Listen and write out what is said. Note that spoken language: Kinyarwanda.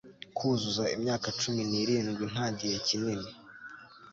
Kuzuza imyaka cumi nirindwi nta gihe kinini